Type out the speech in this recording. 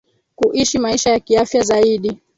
kuishi maisha ya kiafya zaidi